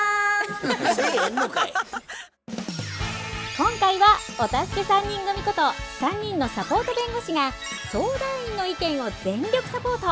今回はお助け３人組こと３人のサポート弁護士が相談員の意見を全力サポート。